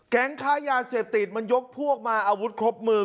ค้ายาเสพติดมันยกพวกมาอาวุธครบมือ